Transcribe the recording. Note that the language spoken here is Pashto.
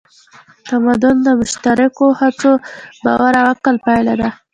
تمدن د مشترکو هڅو، باور او عقل پایله ده.